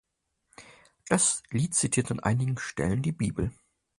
Das Lied zitiert an einigen Stellen die Bibel.